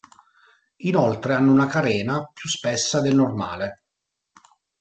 Inoltre hanno una carena più spessa del normale.